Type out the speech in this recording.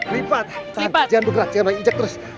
lipat jangan bergerak jangan bergerak ijek terus